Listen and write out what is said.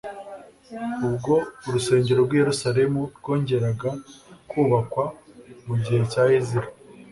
Ubwo urusengero rw’i Yerusalemu rwongeraga kubakwa mu gihe cya Ezira,